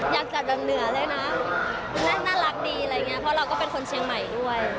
อยากจัดแบบเหนือเลยนะน่ารักดีอะไรอย่างเงี้ยเพราะเราก็เป็นคนเชียงใหม่ด้วย